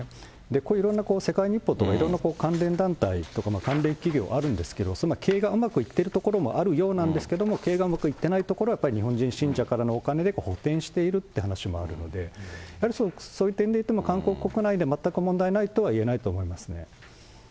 こういういろんな世界日報とか、いろんな関連団体とか、関連企業あるんですけど、経営がうまくいっているところもあるようなんですけれども、経営がうまくいっていないところは日本人信者からのお金で補填しているって話もあるので、やはりそういう点でいうと、韓国国内で全く問題ないとは言えないと思いますね。